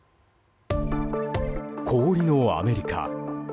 氷のアメリカ。